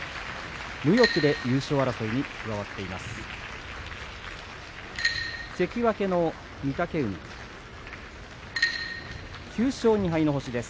無欲で優勝争いに加わっています。